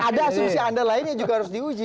ada asumsi anda lainnya juga harus diuji